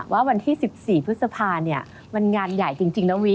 ว่าวันที่๑๔พฤษภามันงานใหญ่จริงนะวิ